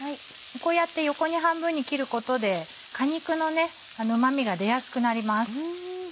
こうやって横に半分に切ることで果肉のうま味が出やすくなります。